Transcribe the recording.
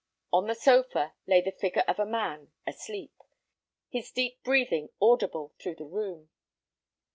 On the sofa lay the figure of a man asleep, his deep breathing audible through the room.